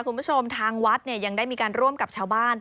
คุณผู้ชมทางวัดเนี่ยยังได้มีการร่วมกับชาวบ้าน